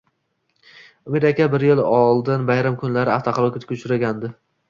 Umid aka bir yil oldin, bayram kunlari avtohalokatga uchragandi